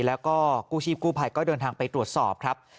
แล้วก็กู้ชีพกู้ภัยก็เดินทางไปตรวจสอบครับ